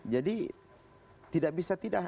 jadi tidak bisa tidak